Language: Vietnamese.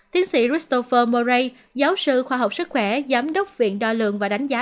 tiến sĩ christopher murray giáo sư khoa học sức khỏe giám đốc viện đo lượng và đánh giá